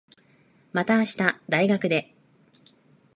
また明日、大学で。